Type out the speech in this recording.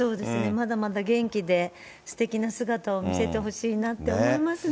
まだまだ元気ですてきな姿を見せてほしいなって思いますね。